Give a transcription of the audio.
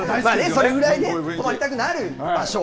それぐらい泊まりたくなる場所。